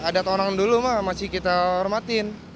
ada akan orang dulu study kerumatin